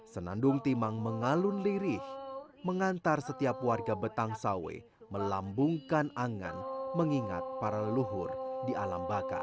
senandung timang mengalun lirih mengantar setiap warga betang sawe melambungkan angan mengingat para leluhur di alam bakar